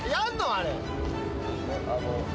あれ。